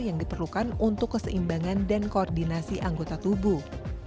yang diperlukan untuk keseimbangan dan koordinasi anggota tubuh